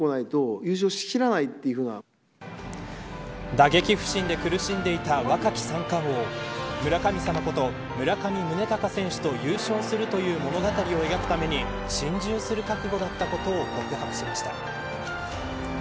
打撃不振で苦しんでいた若き三冠王村神様こと村上宗隆選手と優勝するという物語を描くために心中する覚悟だったことを告白しました。